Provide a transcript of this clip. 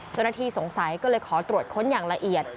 เจ้าหน้าที่สงสัยก็เลยขอตรวจค้นอย่างละเอียด